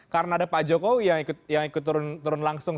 karena ada pak jokowi yang ikut turun langsung